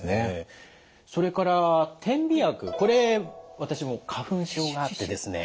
それから点鼻薬これ私も花粉症があってですね